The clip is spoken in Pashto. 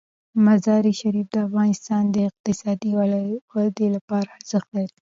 مزارشریف د افغانستان د اقتصادي ودې لپاره ارزښت لري.